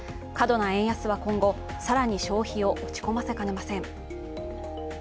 過度な円安は今後更に消費を落ち込ませかねません。